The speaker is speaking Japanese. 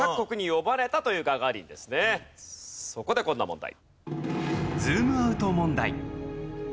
そこでこんな問題。